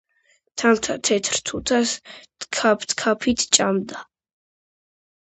თამთა თეთრ თუთას თქაფთქაფით ჭამდა